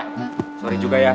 sisi sorry juga ya